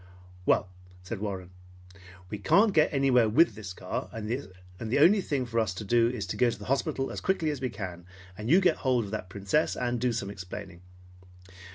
"Well," said Warren, "we can't get anywhere with the car, and the only thing for us to do is to go to the hospital as quickly as we can, and you get hold of that Princess, and do some explaining.